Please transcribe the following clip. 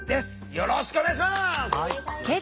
よろしくお願いします。